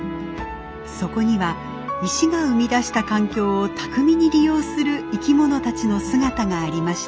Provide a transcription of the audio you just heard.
そこには石が生み出した環境を巧みに利用する生き物たちの姿がありました。